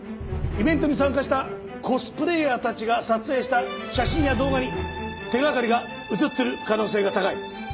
イベントに参加したコスプレイヤーたちが撮影した写真や動画に手掛かりが写ってる可能性が高い。